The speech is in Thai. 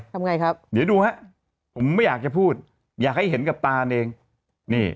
ทำไงครับเดี๋ยวดูฮะผมไม่อยากจะพูดอยากให้เห็นกับตานเองนี่